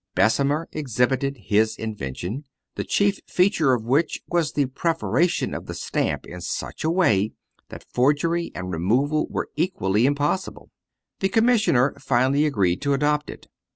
Bessemer exhibited his invention, the chief feature of which was the perforation of the stamp in such a way that forgery and removal were equally impossible. The commissioner finally agreed to adopt it.